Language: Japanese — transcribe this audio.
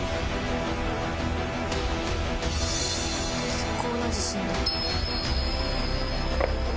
結構な地震だ。